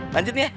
lanjut nih ya